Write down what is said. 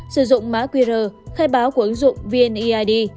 sử dụng mã qr khai báo của ứng dụng vneid